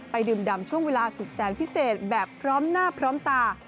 ดื่มดำช่วงเวลาสุดแสนพิเศษแบบพร้อมหน้าพร้อมตา